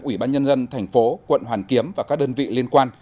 ủy ban nhân dân thành phố quận hoàn kiếm và các đơn vị liên quan